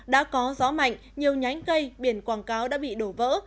đã có gió mạnh nhiều nhánh cây biển quảng cáo đã bị đổ vỡ